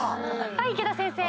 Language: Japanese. はい池田先生。